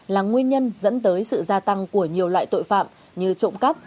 là nguyên nhân dẫn tới sự gia tăng của nhiều loại tội phạm như trộm cắp